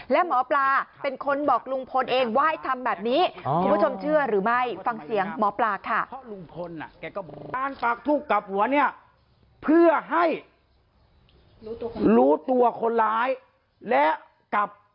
และหมอปลาเป็นคนบอกลุงพลเองว่าให้ทำแบบนี้คุณผู้ชมเชื่อหรือไม่ฟังเสียงหมอปลาค่ะ